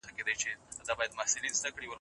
ټولنه مو روغه کړئ.